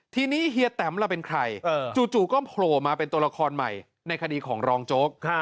ทีนี้เฮียแตมล่ะเป็นใครจู่ก็โผล่มาเป็นตัวละครใหม่ในคดีของรองโจ๊ก